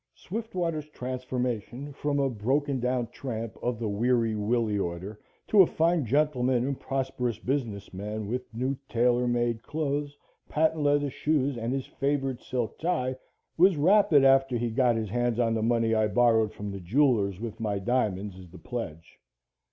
Swiftwater's transformation from a broken down tramp of the Weary Willie order to a fine gentleman and prosperous business man, with new tailor made clothes, patent leather shoes and his favored silk tile, was rapid after he got his hands on the money I borrowed from the jewelers, with my diamonds as the pledge.